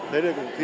thấy được một khi